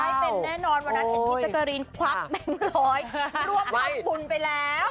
ได้เป็นแน่นอนวันนั้นเป็นนิจกรีนควับแบงค์ร้อยร่วมท่อดบุญไปแล้ว